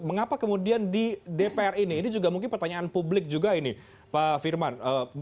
mengapa kemudian di dpr ini ini juga mungkin pertanyaan publik juga ini pak firman